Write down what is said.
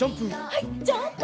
はいジャンプ！